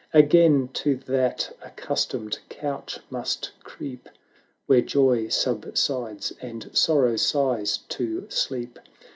.\gain to that accustomed couch must creep 630 Where Joy subsides, and Sorrow sighs to sleep